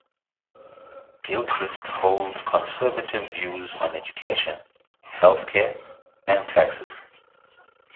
Gilchrist holds conservative views on education, health care, and taxes.